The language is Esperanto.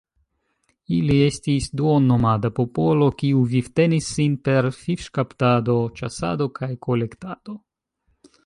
Ili estis duon-nomada popolo, kiu vivtenis sin per fiŝkaptado, ĉasado kaj kolektado.